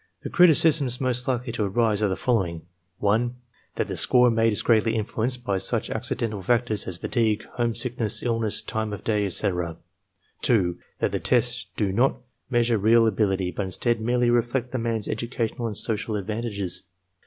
The criticisms most likely to arise are the following: (1) That the score made is greatly influenced by such accidental factors as fatigue, homesickness, illness, time of day, etc. (2) That the tests do not measure real ability, but instead merely reflect the man's educational and social advantages.